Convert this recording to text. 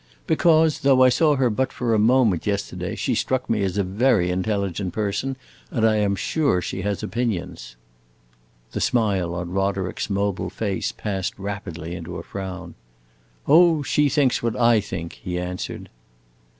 "Because, though I saw her but for a moment yesterday, she struck me as a very intelligent person, and I am sure she has opinions." The smile on Roderick's mobile face passed rapidly into a frown. "Oh, she thinks what I think!" he answered.